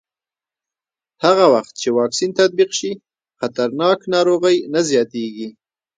هغه وخت چې واکسین تطبیق شي، خطرناک ناروغۍ نه زیاتېږي.